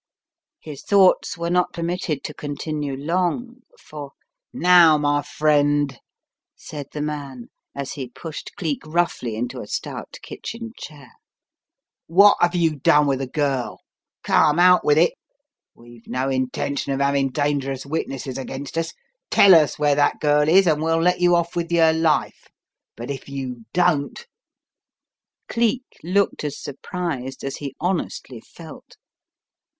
His thoughts were not permitted to continue long, for "Now, my friend," said the man, as he pushed Cleek roughly into a stout kitchen chair. "What have you done with the girl? Come, out with it! We've no intention of having dangerous witnesses against us. Tell us where that girl is, and we'll let you off with your life. But if you don't " Dollops Takes a Hand 211 Cleek looked as surprised as he honestly felt.